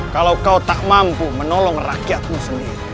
kalau kau tak mampu menolong rakyatmu sendiri